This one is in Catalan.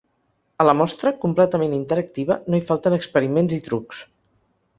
A la mostra, completament interactiva, no hi falten experiments i trucs.